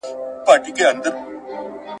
ته مي غوښي پرې کوه زه په دعا یم ..